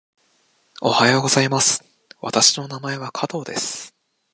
おはようございます。私の名前は加藤です。